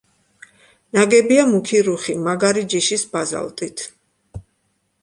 ნაგებია მუქი რუხი, მაგარი ჯიშის ბაზალტით.